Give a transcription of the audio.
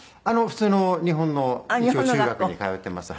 普通の日本の一応中学に通ってます。